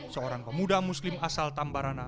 seorang pemuda muslim asal tambarana